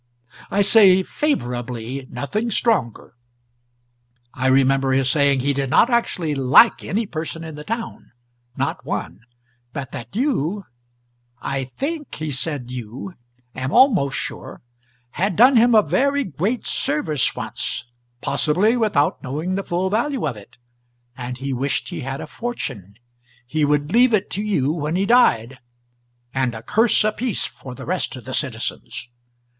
I say 'favourably' nothing stronger. I remember his saying he did not actually LIKE any person in the town not one; but that you I THINK he said you am almost sure had done him a very great service once, possibly without knowing the full value of it, and he wished he had a fortune, he would leave it to you when he died, and a curse apiece for the rest of the citizens.